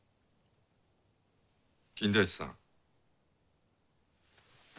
金田一さん。